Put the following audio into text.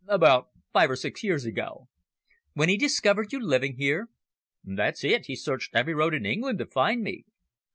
"About five or six years ago." "When he discovered you living here?" "That's it. He searched every road in England to find me."